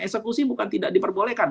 eksekusi bukan tidak diperbolehkan